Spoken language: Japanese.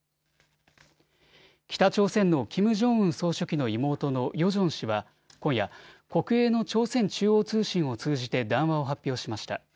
北朝鮮のキム・ジョンウン総書記の妹のヨジョン氏は今夜、国営の朝鮮中央通信を通じて談話を発表しました。